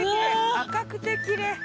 赤くてきれい。